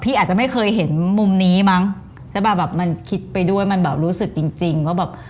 อาจจะไม่เคยเห็นมุมนี้มั้งแต่แบบมันคิดไปด้วยมันแบบรู้สึกจริงจริงว่าแบบ